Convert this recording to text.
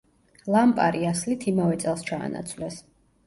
ლამპარი ასლით, იმავე წელს ჩაანაცვლეს.